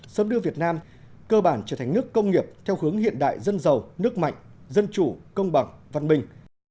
sớm đưa việt nam cơ bản trở thành nước công nghiệp theo hướng hiện đại dân giàu nước mạnh dân chủ công bằng văn minh